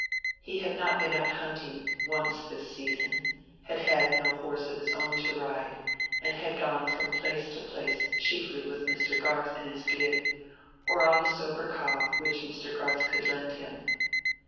He had not been out hunting once this season, had had no horse of his own to ride, and had gone from place to place chiefly with Mr. Garth in his gig, or on the sober cob which Mr. Garth could lend him.